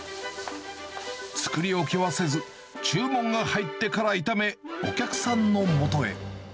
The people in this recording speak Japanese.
作り置きはせず、注文が入ってから炒め、お客さんのもとへ。